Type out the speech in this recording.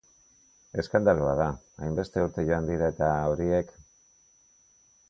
Eskandalua da, hainbeste urte joan dira eta horiek...